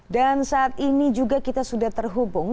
dan saat ini juga kita sudah terhubung